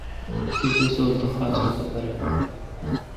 تی بسور تہ خاصلخہ برر